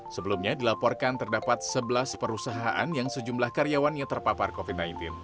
sebelumnya dilaporkan terdapat sebelas perusahaan yang sejumlah karyawannya terpapar covid sembilan belas